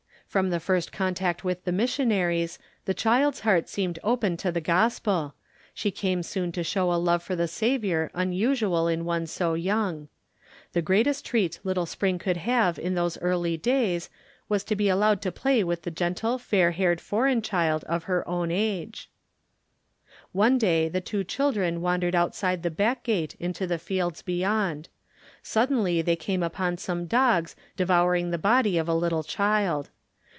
From the first contact with the missionaries the child's heart seemed open to the Gospel, she came soon to show a love for the Saviour unusual in one so young. The greatest treat little Spring could have in those early days was to be allowed to play with the gentle fair haired foreign child of her own age. One day the two children wandered outside the backgate into the fields beyond. Suddenly they came upon some dogs devouring the body of a little child.